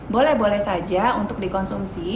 boleh boleh saja untuk dikonsumsi